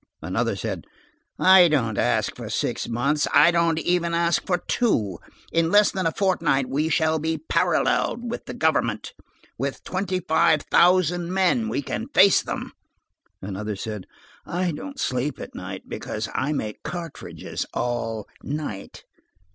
Another said: "I don't ask for six months, I don't ask for even two. In less than a fortnight we shall be parallel with the government. With twenty five thousand men we can face them." Another said: "I don't sleep at night, because I make cartridges all night."